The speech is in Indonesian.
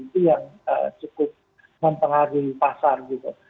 itu yang cukup mempengaruhi pasar gitu